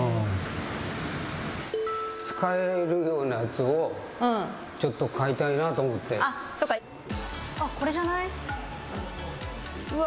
使えるようなやつをうんちょっと買いたいなと思ってあっそっかうわ